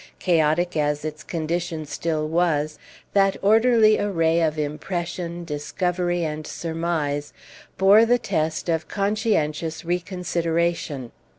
Chaotic as its condition still was, that orderly array of impression, discovery, and surmise, bore the test of conscientious reconsideration.